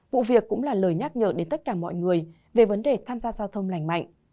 vụ việc cũng là lời nhắc nhở đến tất cả mọi người về vấn đề tham gia giao thông lành mạnh